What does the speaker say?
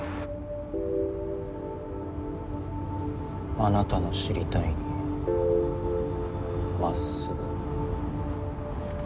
「あなたの知りたいにまっすぐ」。